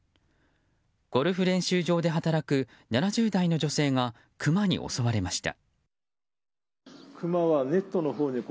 ゴルフ練習場で働く７０代の女性がクマに襲われました。